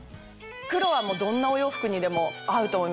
黒はどんなお洋服にでも合うと思います。